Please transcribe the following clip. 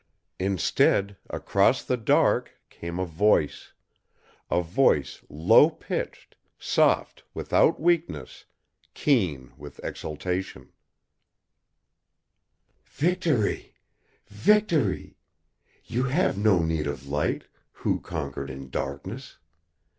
Instead, across the dark came a voice; a voice low pitched, soft without weakness, keen with exultation: "Victory! Victory! You have no need of light who conquered in darkness!